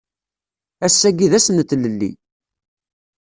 Ass-agi d ass n tlelli